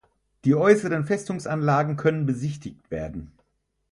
Die äußeren Festungsanlagen können besichtigt werden.